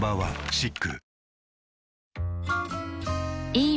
いい